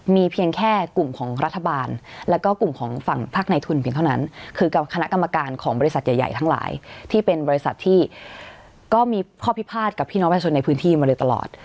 มีเพียงแค่กลุ่มของรัฐบาลแล้วก็กลุ่มของฝั่งภาคในทุนเพียงเท่านั้นคือกับคณะกรรมการของบริษัทใหญ่ทั้งหลายที่เป็นบริษัทที่ก็มีข้อพิพาทกับพี่น้องประชาชนในพื้นที่มาโดยตลอด